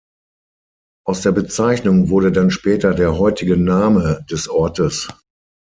Aus der Bezeichnung wurde dann später der heutige Names des Ortes.